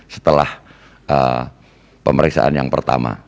setelah pemeriksaan yang pertama